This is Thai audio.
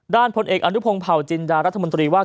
ด้านพลเอกอัณุพงศ์ผ่าวจินรารัฐมนตรีว่า